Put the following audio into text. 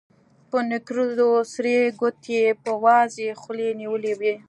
په نکريزو سرې ګوتې يې په وازې خولې نيولې وې.